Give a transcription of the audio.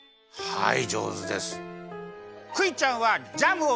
はい。